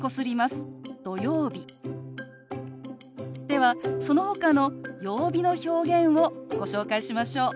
ではそのほかの曜日の表現をご紹介しましょう。